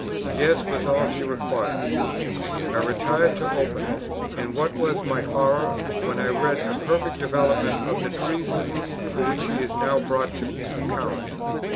Yes! was all he required. I retired to open it; and what was my horror, when I read a perfect development of the treasons for which he is now brought to account!